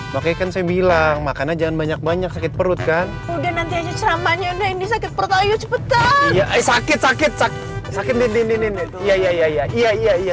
makanya kan saya bilang makannya jangan banyak banyak sakit perut kan udah nanti aja